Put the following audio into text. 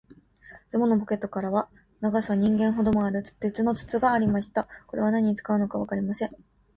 ズボンのポケットからは、長さ人間ほどもある、鉄の筒がありました。これは何に使うのかわかりません。